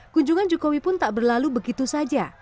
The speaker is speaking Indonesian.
kunjungan jokowi pun tak berlalu begitu saja